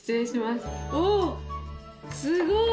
すごい！